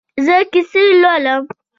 زه کیسې لولم